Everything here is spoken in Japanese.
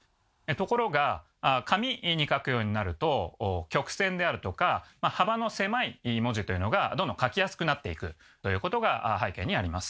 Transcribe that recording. ところが紙に書くようになると曲線であるとか幅の狭い文字というのがどんどん書きやすくなっていくということが背景にあります。